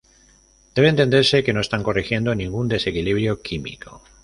Debe entenderse que no están corrigiendo ningún desequilibrio químico.